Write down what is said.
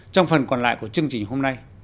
trong phần còn lại của chương trình hôm nay